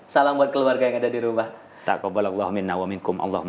salam buat keluarga yang ada di rumah